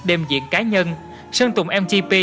đêm diễn cá nhân sơn tùng mtp